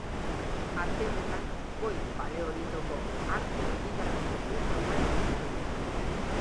Harpe honetan Goi Paleolitoko arte higigarriko pieza ugari aurkitu dira.